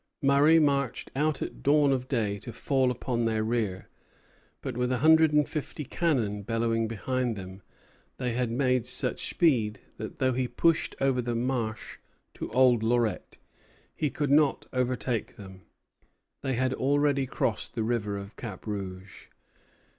Murray marched out at dawn of day to fall upon their rear; but, with a hundred and fifty cannon bellowing behind them, they had made such speed that, though he pushed over the marsh to Old Lorette, he could not overtake them; they had already crossed the river of Cap Rouge.